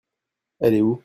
Elle est où ?